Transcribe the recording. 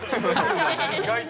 意外と。